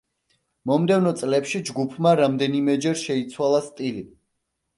მომდევნო წლებში ჯგუფმა რამდენიმეჯერ შეიცვალა სტილი.